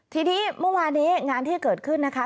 ทีนี้เมื่อวานี้งานที่เกิดขึ้นนะคะ